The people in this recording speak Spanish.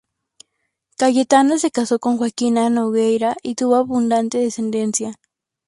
Cayetano se casó con Joaquina Nogueira y tuvo abundante descendencia.